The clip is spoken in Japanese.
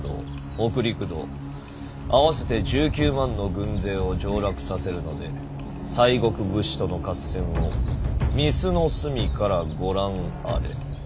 北陸道合わせて１９万の軍勢を上洛させるので西国武士との合戦を御簾の隅からご覧あれ。